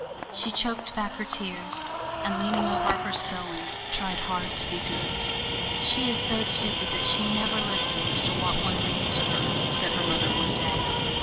She choked back her tears and leaning over her sewing tried hard to be "good." "She is so stupid that she never listens to what one reads to her," said her mother one day.